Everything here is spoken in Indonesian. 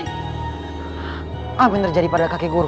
apa yang terjadi pada kaki guru